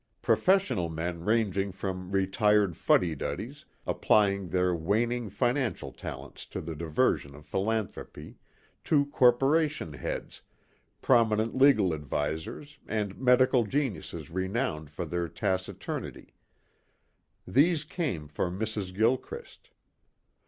Professional men ranging from retired fuddy duddies, applying their waning financial talents to the diversion of philanthropy, to corporation heads, prominent legal advisors and medical geniuses renowned for their taciturnity these came for Mrs. Gilchrist.